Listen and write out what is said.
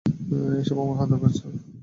এসব আমার হাতের পাঁচ।